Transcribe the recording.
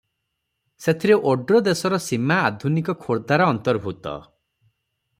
ସେଥିରେ ଓଡ଼୍ରଦେଶର ସୀମା ଆଧୁନିକ ଖୋର୍ଦ୍ଧାର ଅନ୍ତର୍ଭୂତ ।